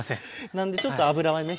なんでちょっと油はね